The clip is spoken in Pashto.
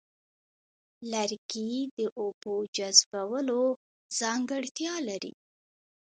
لرګي د اوبو جذبولو ځانګړتیا لري.